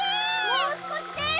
もうすこしです！